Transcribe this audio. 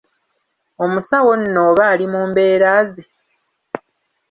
Omusawo nno oba ali mu mbeera ze!